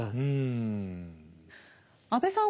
安部さん